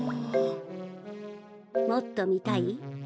もっと見たい？